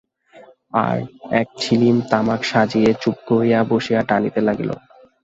আর-এক ছিলিম তামাক সাজিয়া চুপ করিয়া বসিয়া টানিতে লাগিল।